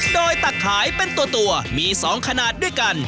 โดยตักขายเป็นตัวมี๒ขนาดด้วยกัน